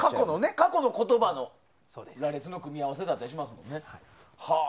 過去の言葉の羅列の組み合わせだったりしますよね。